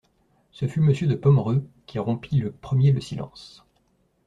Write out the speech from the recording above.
Ce fut Monsieur de Pomereux qui rompit le premier le silence.